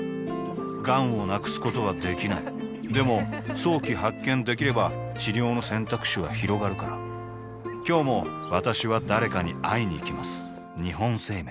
がんを無くすことはできないでも早期発見できれば治療の選択肢はひろがるから今日も私は誰かに会いにいきます